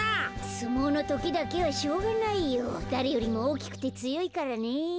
すもうのときだけはしょうがないよ。だれよりもおおきくてつよいからねえ。